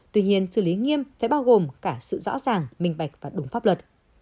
tuy nhiên xử lý nghiêm phải bao gồm cả sự rõ ràng minh bạch và đúng pháp luật